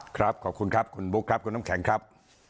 ครับขอบคุณครับคุณบุ๊คครับคุณน้ำแข็งครับ